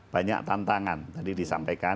banyak tantangan tadi disampaikan